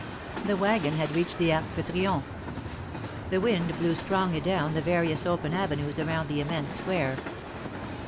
The wagon had reached the Arc de Triomphe. The wind blew strongly down the various open avenues around the immense Square.